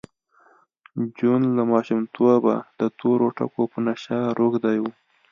جون له ماشومتوبه د تورو ټکو په نشه روږدی و